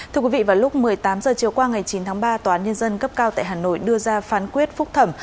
thưa quý vị vào lúc một mươi tám h chiều qua ngày chín tháng ba tòa án nhân dân cấp cao tại hà nội đưa ra phán quyết phúc thẩm